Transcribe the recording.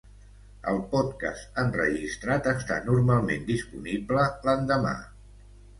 El podcast enregistrat està normalment disponible l'endemà.